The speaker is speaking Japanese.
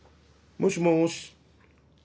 もしもし。